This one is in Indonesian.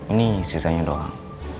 ini sisanya doang